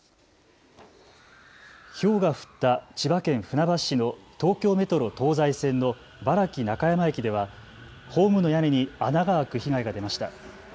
ひょうが降った千葉県船橋市の東京メトロ東西線の原木中山駅ではホームの屋根に穴が開く被害が出ました。